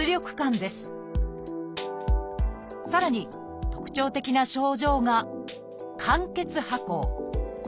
さらに特徴的な症状が「間欠跛行」。